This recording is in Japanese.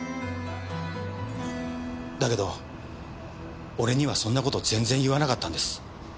だけど俺にはそんな事全然言わなかったんです。